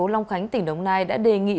ubnd tp long khánh tỉnh đồng nai đã đề nghị